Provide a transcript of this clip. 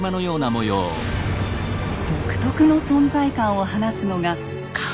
独特の存在感を放つのが顔。